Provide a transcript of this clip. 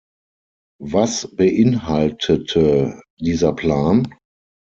Was beinhaltete dieser Plan?